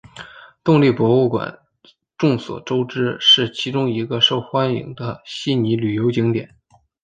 动力博物馆众所周知是其中一个受欢迎的悉尼旅游景点。